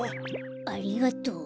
ありがとう。